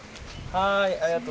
はい。